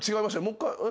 もう一回。